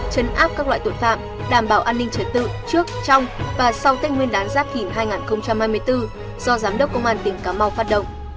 chấn áp các loại tội phạm đảm bảo an ninh trật tự trước trong và sau tết nguyên đán giáp thìn hai nghìn hai mươi bốn do giám đốc công an tỉnh cà mau phát động